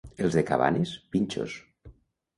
Els de Cabanes, pinxos.